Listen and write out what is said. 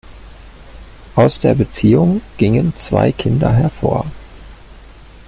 Aus der Beziehung gingen zwei Kinder hervor.